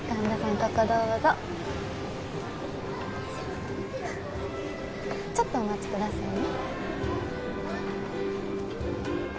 ここどうぞちょっとお待ちくださいね